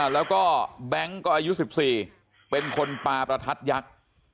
แล้วก็แบงค์ก็อายุ๑๔เป็นคนปลาประทัดยักษ์